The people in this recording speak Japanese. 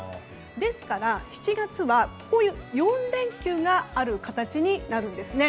ですから、７月は４連休がある形になるんですね。